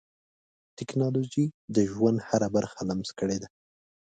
ټکنالوجي د ژوند هره برخه لمس کړې ده.